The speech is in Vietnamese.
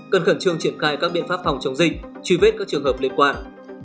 cần khẩn trương triển khai các biện pháp phòng chống dịch truy vết các trường hợp liên quan